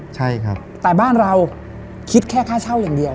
ใช่ครับแต่บ้านเราคิดแค่ค่าเช่าอย่างเดียว